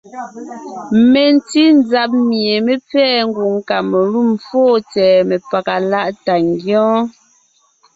Mentí nzab mie mé pfɛ́ɛ ngwòŋ Kamelûm fóo tsɛ̀ɛ mepaga láʼ tà ngyɔ́ɔn.